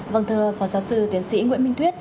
vâng thưa phó giáo sư tiến sĩ nguyễn minh thuyết